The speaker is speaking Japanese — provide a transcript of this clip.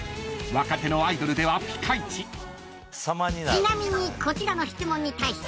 ちなみにこちらの質問に対して。